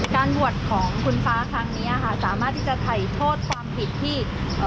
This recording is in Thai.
การบวชของคุณฟ้าครั้งนี้ค่ะสามารถที่จะถ่ายโทษความผิดที่